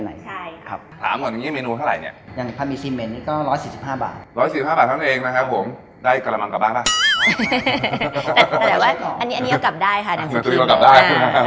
อันนี้เอากลับได้